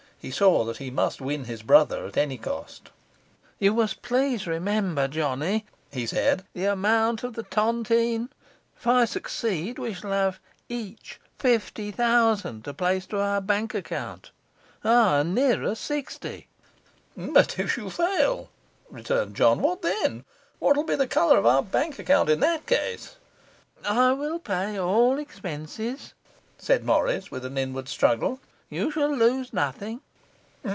He saw that he must win his brother at any cost. 'You must please remember, Johnny,' he said, 'the amount of the tontine. If I succeed, we shall have each fifty thousand to place to our bank account; ay, and nearer sixty.' 'But if you fail,' returned John, 'what then? What'll be the colour of our bank account in that case?' 'I will pay all expenses,' said Morris, with an inward struggle; 'you shall lose nothing.